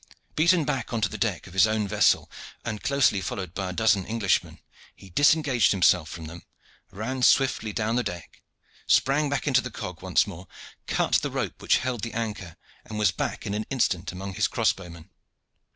Beaten back on to the deck of his own vessel, and closely followed by a dozen Englishmen, he disengaged himself from them, ran swiftly down the deck, sprang back into the cog once more, cut the rope which held the anchor, and was back in an instant among his crossbow men.